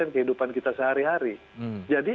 kehidupan kita sehari hari jadi